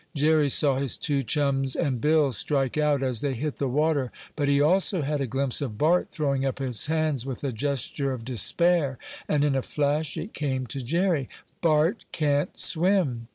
Jerry saw his two chums and Bill strike out as they hit the water, but he also had a glimpse of Bart throwing up his hands with a gesture of despair, and in a flash it came to Jerry. "Bart can't swim!"